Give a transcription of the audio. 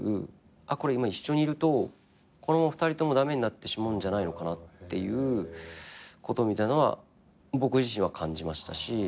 あっこれ今一緒にいるとこのまま２人とも駄目になってしまうんじゃないのかなっていうことみたいなのは僕自身は感じましたし。